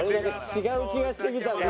違う気がしてきたな。